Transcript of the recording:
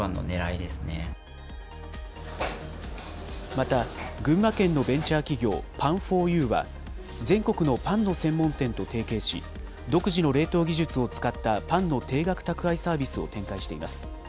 また、群馬県のベンチャー企業、パンフォーユーは、全国のパンの専門店と提携し、独自の冷凍技術を使ったパンの定額宅配サービスを展開しています。